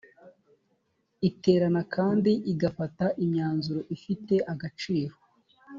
iterana kandi igafata imyanzuro ifite agaciro